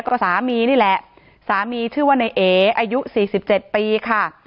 ก็สามีนี่แหละสามีชื่อว่าในเออายุ๔๗ปีค่ะ